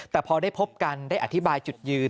แต่พอได้พบกันได้อธิบายจุดยืน